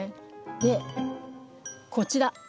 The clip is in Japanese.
でこちら。